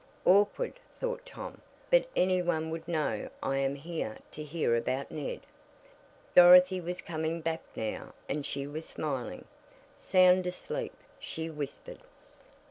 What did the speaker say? "Awkward," thought Tom, "but any one would know I am here to hear about Ned." Dorothy was coming back now, and she was smiling. "Sound asleep," she whispered.